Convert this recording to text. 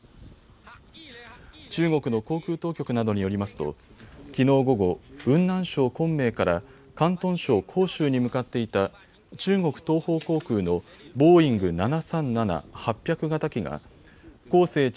中国の航空当局などによりますときのう午後、雲南省昆明から広東省広州に向かっていた中国東方航空のボーイング７３７ー８００型機が広西